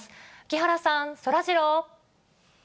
木原さん、そらジロー。